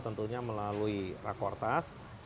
tentunya melalui rakortas